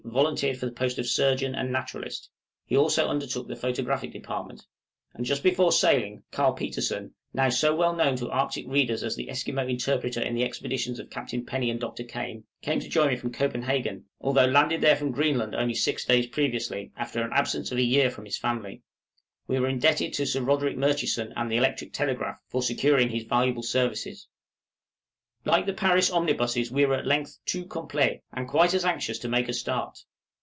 volunteered for the post of surgeon and naturalist; he also undertook the photographic department; and just before sailing, Carl Petersen, now so well known to Arctic readers as the Esquimaux interpreter in the expeditions of Captain Penny and Dr. Kane, came to join me from Copenhagen, although landed there from Greenland only six days previously, after an absence of a year from his family: we were indebted to Sir Roderick Murchison and the electric telegraph for securing his valuable services. {ASSISTANCE FROM PUBLIC DEPARTMENTS.} Like the Paris omnibuses we were at length tout complet, and quite as anxious to make a start.